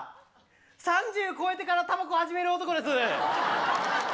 ３０超えてからタバコ始める男です。